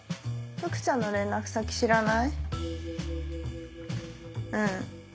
福ちゃんの連絡先知らない？